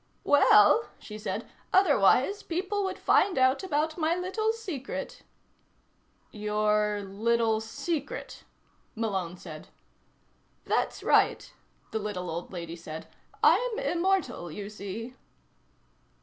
"Well," she said, "otherwise people would find out about my little secret." "Your little secret," Malone said. "That's right," the little old lady said. "I'm immortal, you see."